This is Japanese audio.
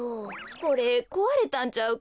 これこわれたんちゃうか？